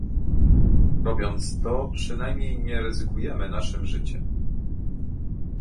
Robiąc to, przynajmniej nie ryzykujemy naszym życiem